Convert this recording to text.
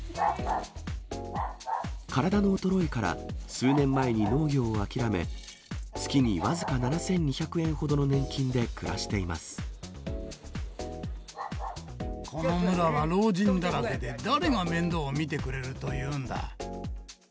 体の衰えから数年前に農業を諦め、月に僅か７２００円ほどの年金でこの村は老人だらけで、誰が面倒を見てくれるというんだ。